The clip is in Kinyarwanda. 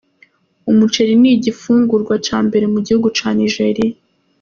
Umuceri ni igifungurwa ca mbere mu gihugu ca Nigeria.